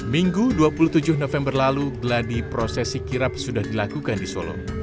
minggu dua puluh tujuh november lalu geladi prosesi kirap sudah dilakukan di solo